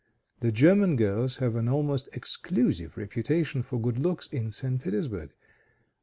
The German girls have an almost exclusive reputation for good looks in St. Petersburg.